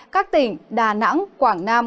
các tỉnh đà nẵng quảng nam